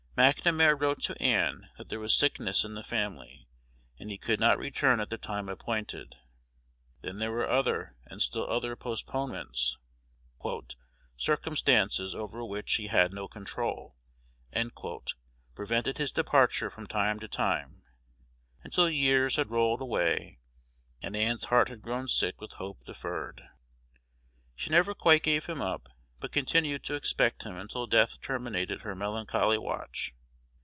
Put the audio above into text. McNamar wrote to Ann that there was sickness in the family, and he could not return at the time appointed. Then there were other and still other postponements; "circumstances over which he had no control" prevented his departure from time to time, until years had rolled away, and Ann's heart had grown sick with hope deferred. She never quite gave him up, but continued to expect him until death terminated her melancholy watch.